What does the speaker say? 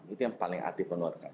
itu yang paling aktif menularkan